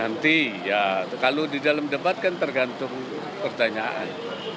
nanti ya kalau di dalam debat kan tergantung pertanyaan